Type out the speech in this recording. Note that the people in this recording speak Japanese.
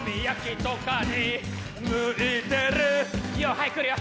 はい来るよ。